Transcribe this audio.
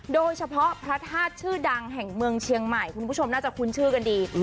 โดยเฉพาะพระธาตุชื่อดังแห่งเมืองเชียงใหม่คุณผู้ชมน่าจะคุ้นชื่อกันดี